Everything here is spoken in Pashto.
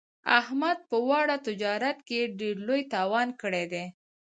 احمد په واړه تجارت کې ډېر لوی تاوان کړی دی.